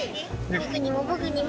僕にも僕にも。